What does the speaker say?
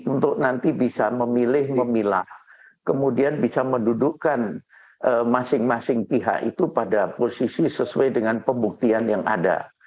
untuk nanti bisa memilih memilah kemudian bisa mendudukkan masing masing pihak itu pada posisi sesuai dengan pembuktian yang ada